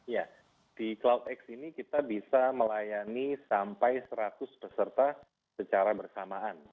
ya di cloudx ini kita bisa melayani sampai seratus peserta secara bersamaan